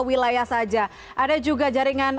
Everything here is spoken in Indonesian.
wilayah saja ada juga jaringan